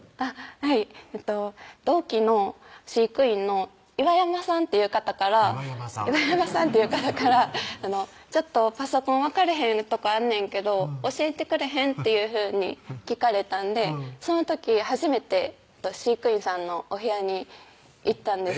はい同期の飼育員のいわやまさんっていう方からいわやまさんいわやまさんっていう方から「ちょっとパソコン分かれへんとこあんねんけど教えてくれへん？」っていうふうに聞かれたんでその時初めて飼育員さんのお部屋に行ったんです